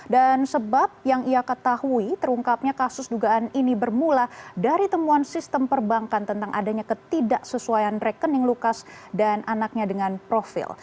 dan sebab yang ia ketahui terungkapnya kasus dugaan ini bermula dari temuan sistem perbankan tentang adanya ketidaksesuaian rekening lukas dan anaknya dengan profil